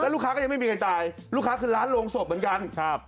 ลูกค้าไม่มีใครตายลูกค้าคือร้านโรงโสบเหมือนกัน